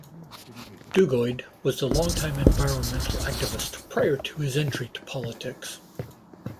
Duguid was a long-time environmental activist prior to his entry to politics.